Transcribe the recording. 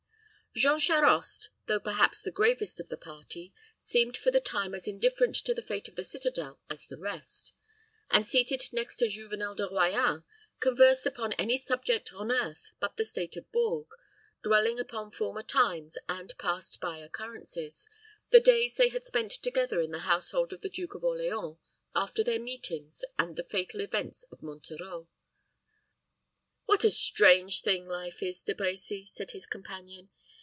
Jean Charost, though perhaps the gravest of the party, seemed for the time as indifferent to the fate of the citadel as the rest; and, seated next to Juvenel de Royans, conversed upon any subject on earth but the state of Bourges, dwelling upon former times and past by occurrences, the days they had spent together in the household of the Duke of Orleans, their after meetings, and the fatal events of Monterreau. "What a strange thing life is, De Brecy!" said his companion.